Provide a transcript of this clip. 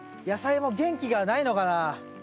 野菜も元気がないのかな？